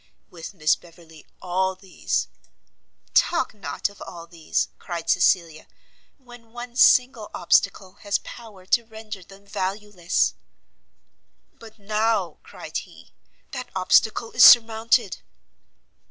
With Miss Beverley all these " "Talk not of all these," cried Cecilia, "when one single obstacle has power to render them valueless." "But now," cried he, "that obstacle is surmounted."